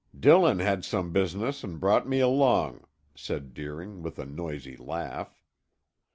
"Dillon had some business and brought me along," said Deering with a noisy laugh.